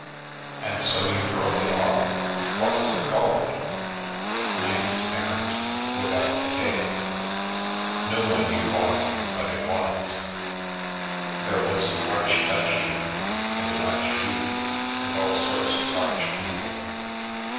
" And so you broke it off. What was it called ?" "'Nights Errant' — without the 'K.' No one knew why, but it was. There was an archduchy in it, and an archduke, and all sorts of arch people.